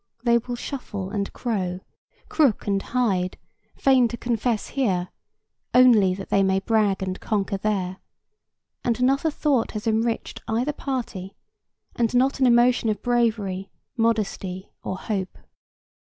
They will shuffle and crow, crook and hide, feign to confess here, only that they may brag and conquer there, and not a thought has enriched either party, and not an emotion of bravery, modesty, or hope.